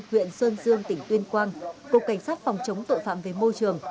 huyện sơn dương tỉnh tuyên quang cục cảnh sát phòng chống tội phạm về môi trường